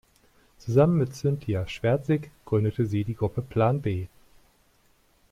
Zusammen mit Cynthia Schwertsik gründete sie die Gruppe "Plan B".